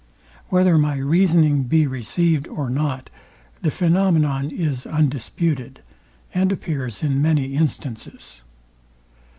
Whether my reasoning be received or not, the phænomenon is undisputed, and appears in many instances.